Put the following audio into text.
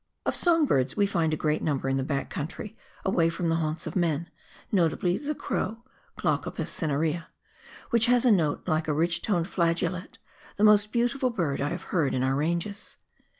Of song birds we find a great number in the back country, away from the haunts of men, notably the crow {Glaucopis cinerea), which has a note like a rich toned flageolet, the most beautiful I have heard in our ranges.